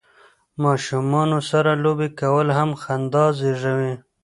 ماشومانو سره لوبې کول هم خندا زیږوي.